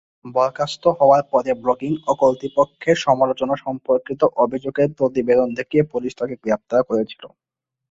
বরখাস্ত হওয়ার পরে ব্লগিং ও কর্তৃপক্ষের সমালোচনা সম্পর্কিত অভিযোগের প্রতিবেদন দেখিয়ে পুলিশ তাঁকে গ্রেপ্তার করেছিল।